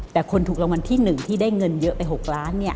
แต่คนถูกรางวัลที่๑ที่ได้เงินเยอะไป๖ล้าน